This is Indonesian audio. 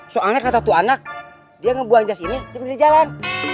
soalnya kata tuh anak dia ngebuang jas ini dia pinggir jalan